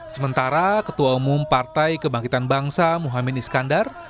sementara ketua umum partai kebangkitan bangsa muhaymin iskandar